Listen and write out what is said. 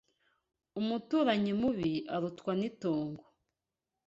Umuturanyi mubi arutwa n’ itongo